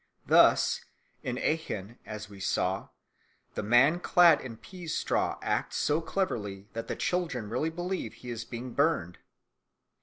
Thus in Aachen, as we saw, the man clad in peas straw acts so cleverly that the children really believe he is being burned.